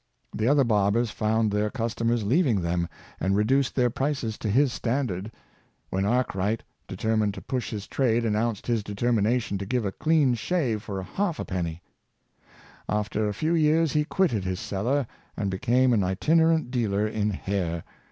The other barbers found their customers leaving them, and reduced their prices to his standard, when Arkwright, determined to push his trade, announced his determination to give a clean shave for a halfpenny." After a few years he quitted his cellar, and became an itinerent dealer in hair.